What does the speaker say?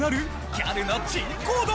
ギャルの珍行動！